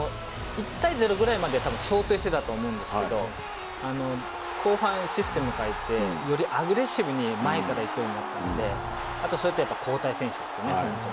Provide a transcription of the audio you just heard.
１対０ぐらいまでは想定していたと思うんですけれど後半システム変えてよりアグレッシブに前からいくようになったのでそれと交代選手ですよね。